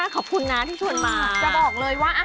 ขอบคุณนะที่ชวนมา